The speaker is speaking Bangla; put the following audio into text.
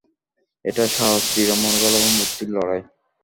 এটা সাহস, দৃঢ় মনোবল এবং বুদ্ধির লড়াই।